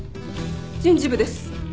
人事部です。